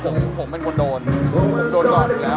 ผมผมเป็นคนโดนผมโดนก่อนอยู่แล้ว